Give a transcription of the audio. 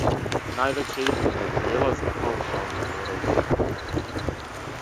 Највећа измјена је пријелаз на паушали порез.